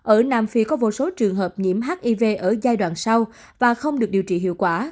ở nam phi có vô số trường hợp nhiễm hiv ở giai đoạn sau và không được điều trị hiệu quả